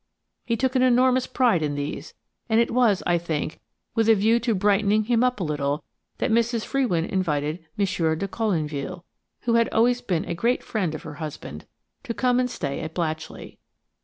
He took an enormous pride in these, and it was, I think, with a view to brightening him up a little that Mrs. Frewin invited Monsieur de Colinville–who had always been a great friend of her husband–to come and stay at Blatchley.